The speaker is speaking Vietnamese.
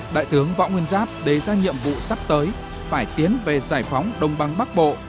đại tướng võ nguyên giáp đề ra nhiệm vụ sắp tới phải tiến về giải phóng đông băng bắc bộ